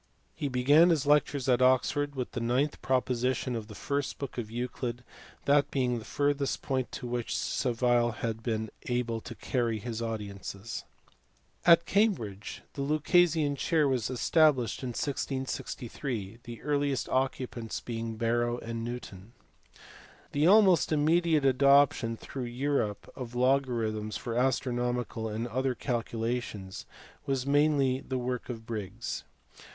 He began his lectures at Oxford with the ninth proposition of the first book of Euclid : that being the furthest point to which Savile had been able to carry his audiences. ^At^Qanibridga the Lucasian chair was established in 1663, the earliest occu pants being Barrow andiN ewton. ~" The^aTmost iminediateacfoption throughout Europe of loga rithms for astronomical and other calculations was mainly the work of Briggs.